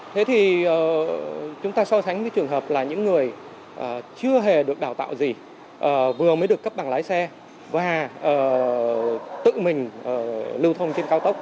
thế thì chúng ta so sánh với trường hợp là những người chưa hề được đào tạo gì vừa mới được cấp bằng lái xe và tự mình lưu thông trên cao tốc